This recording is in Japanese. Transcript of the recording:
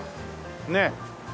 ねえ。